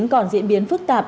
còn diễn biến phức tạp